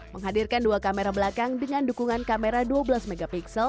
menghadirkan dua kamera belakang dengan dukungan kamera dua belas mp